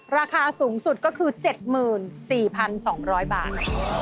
ราคาสูงสุดก็คือ๗๔๒๐๐บาท